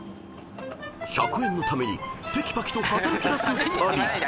［１００円のためにてきぱきと働きだす２人］